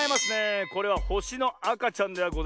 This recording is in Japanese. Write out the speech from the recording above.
これはほしのあかちゃんではございませんよ。